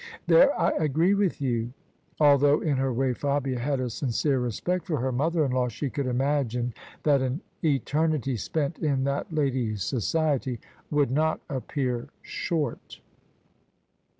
There I agree with you." Although in her way Fabia had a sincere respect for her mother in law, she could imagine that an eternity spent in that lady's society would not appear short.